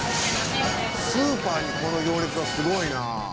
スーパーにこの行列はすごいな。